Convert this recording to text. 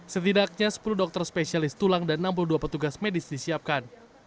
setidaknya sepuluh dokter spesialis tulang dan enam puluh dua petugas medis disiapkan